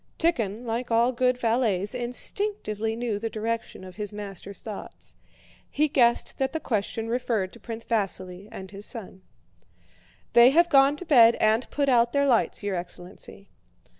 Tíkhon, like all good valets, instinctively knew the direction of his master's thoughts. He guessed that the question referred to Prince Vasíli and his son. "They have gone to bed and put out their lights, your excellency."